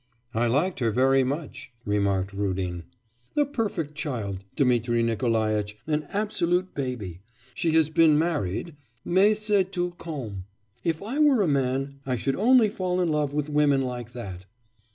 'I liked her very much,' remarked Rudin. 'A perfect child, Dmitri Nikolaitch, an absolute baby. She has been married, mais c'est tout comme.... If I were a man, I should only fall in love with women like that.